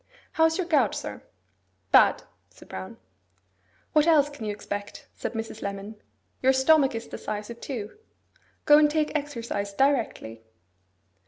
How is your gout, sir?' 'Bad,' said Brown. 'What else can you expect?' said Mrs. Lemon. 'Your stomach is the size of two. Go and take exercise directly.